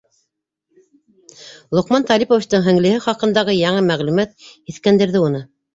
Лоҡман Талиповичтың һеңлеһе хаҡындағы яңы мәғлүмәт һиҫкәндерҙе уны.